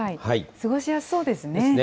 過ごしやすそうですね。ですね。